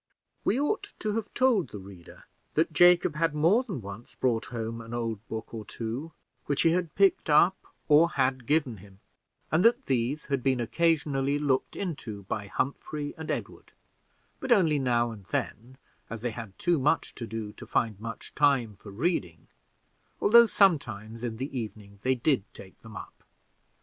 We ought to have told the reader that Jacob had more than once brought home an old book or two which he had picked up, or had given him, and that these had been occasionally looked into by Humphrey and Edward, but only now and then, as they had too much to do to find much time for reading, although sometimes, in the evening, they did take them up.